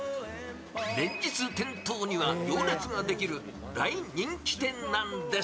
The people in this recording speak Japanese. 連日、店頭には行列ができる大人気店なんです。